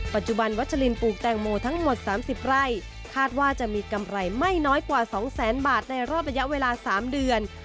ปัจจุบันวัชลินปลูกแตงโมทั้งหมด๓๐ไร่คาดว่าจะมีกำไรไม่น้อยกว่า๒แสนบาทในรอบระยะเวลา๓เดือน